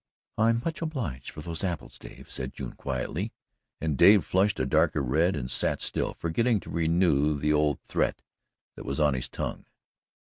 "I'm much obliged for those apples, Dave," said June quietly and Dave flushed a darker red and sat still, forgetting to renew the old threat that was on his tongue.